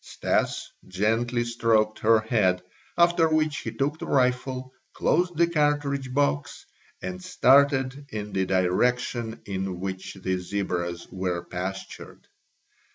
Stas gently stroked her head, after which he took the rifle, closed the cartridge box, and started in the direction in which the zebras were pastured.